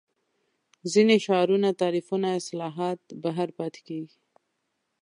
ځینې شعارونه تعریفونه اصطلاحات بهر پاتې کېږي